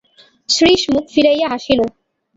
শ্রীশ মুখ ফিরাইয়া হাসিল।